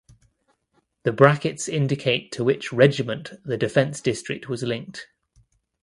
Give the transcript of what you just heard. The brackets indicate to which regiment the defence district was linked.